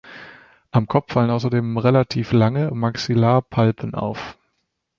Am Kopf fallen außerdem relativ lange Maxillarpalpen auf.